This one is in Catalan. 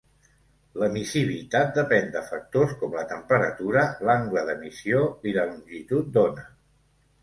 L'emissivitat depèn de factors com la temperatura, l'angle d'emissió i la longitud d'ona.